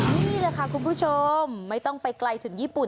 นี่แหละค่ะคุณผู้ชมไม่ต้องไปไกลถึงญี่ปุ่น